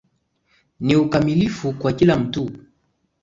Ni ukamilifu kwa kila mtu.